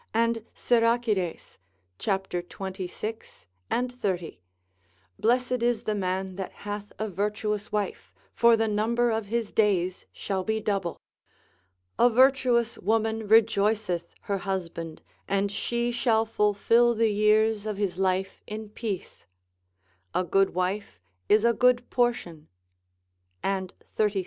and Siracides, cap. 26 et 30, Blessed is the man that hath a virtuous wife, for the number of his days shall be double. A virtuous woman rejoiceth her husband, and she shall fulfil the years of his life in peace. A good wife is a good portion (and xxxvi.